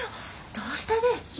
どうしたでえ？